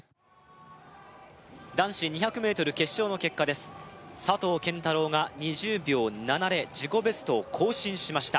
男子２００ｍ決勝の結果です佐藤拳太郎が２０秒７０自己ベストを更新しました